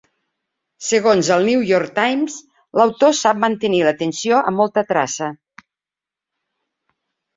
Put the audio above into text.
Segons el "New York Times", "l'autor sap mantenir la tensió amb molta traça".